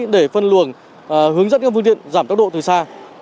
để phân luồng hướng dẫn các phương tiện giảm tốc độ từ xa